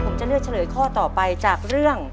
ผมจะเลือกเฉลยข้อต่อไปจากเรื่อง